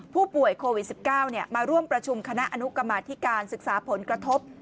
ผู้ป่วยโควิด๑๙มาร่วมประชุมคณะอนุกรรมาธิการศึกษาผลกระทบ